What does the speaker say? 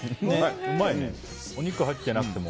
うまいね、お肉入ってなくても。